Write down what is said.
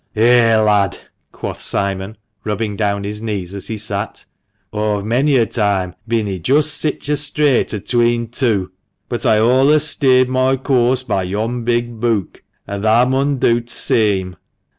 " Eh, lad," quoth Simon, rubbing down his knees as he sat, " aw've manny a time bin i' just sich a ' strait atween two ;' but aw allus steered moi coorse by yon big book, and tha' mun do t' seame.